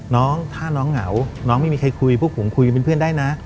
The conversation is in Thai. น้องถ้าน้องเหงาน้องไม่มีใครคุยพวกผมคุยกันเป็นเพื่อนได้นะ